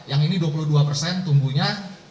yang ini dua puluh dua persen tumbuhnya